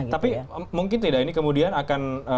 tapi mungkin tidak ini kemudian akan